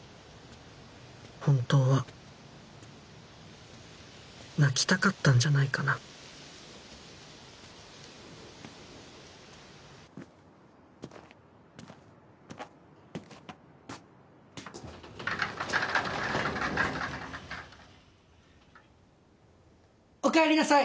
本当は泣きたかったんじゃないかなおかえりなさい！